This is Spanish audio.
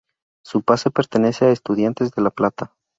Su pase pertenece a Estudiantes de La Plata.